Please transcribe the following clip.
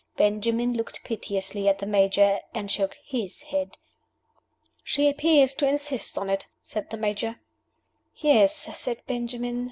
Benjamin looked piteously at the Major, and shook his head. "She appears to insist on it," said the Major. "Yes," said Benjamin.